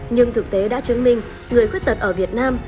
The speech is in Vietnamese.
nhưng thực tế đã chứng minh người khuyết tật ở việt nam